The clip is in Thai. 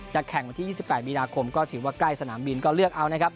แข่งวันที่๒๘มีนาคมก็ถือว่าใกล้สนามบินก็เลือกเอานะครับ